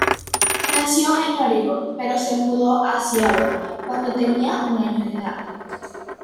Nació en Oregón, pero se mudó a Seattle cuando tenía un año de edad.